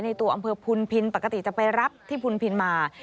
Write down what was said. ในตัวอังเภอภูลพินฮ์ปกติจะไปรับที่ภูลพินฮ์มา